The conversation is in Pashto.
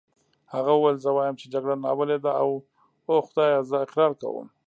هغه وویل: زه وایم چې جګړه ناولې ده، اوه خدایه زه اقرار کوم.